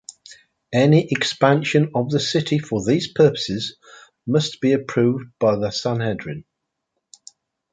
Any expansion of the city for these purposes must be approved by the Sanhedrin.